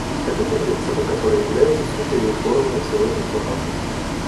Это те принципы, которые являются сутью реформы Совета Безопасности.